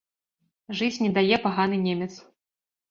Жыць не дае паганы немец.